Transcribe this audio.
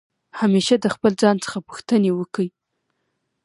همېشه د خپل ځان څخه پوښتني وکئ!